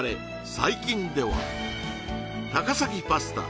最近では高崎パスタ